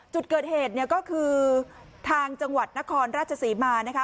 จุดเกิดเหตุเนี่ยก็คือทางจังหวัดนครราชศรีมานะคะ